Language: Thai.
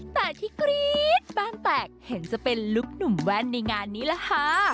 แต่ที่กรี๊ดบ้านแตกเห็นจะเป็นลุคหนุ่มแว่นในงานนี้ล่ะค่ะ